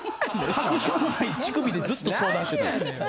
確証のない乳首でずっと相談してたんです。